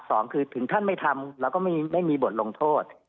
สองคือถึงท่านไม่ทำแล้วก็ไม่มีบทลงโทษ